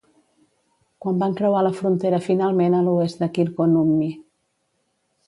Quan van creuar la frontera finalment a l"oest de Kirkkonummi.